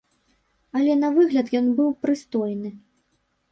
Але на выгляд ён быў прыстойны.